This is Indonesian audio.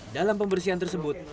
dalam pembersihan tersebut